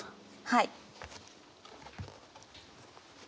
はい。